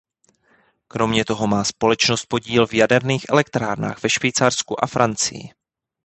Kromě toho má společnost podíl v jaderných elektrárnách ve Švýcarsku a Francii.